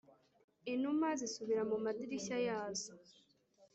inuma zisubira mu madirishya yazo